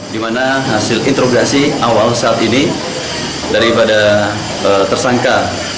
di mana hasil interogasi awal saat ini daripada tersangka